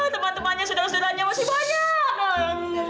teman temannya sudah sudahnya masih banyak